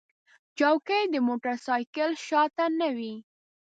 چوکۍ د موټر سایکل شا ته نه وي.